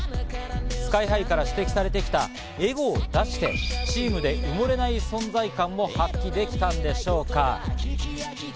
ＳＫＹ−ＨＩから指摘されてきたエゴを出してチームで埋もれない存在感を発揮できたんでしょうか。